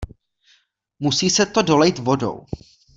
Musí se to dolejt vodou.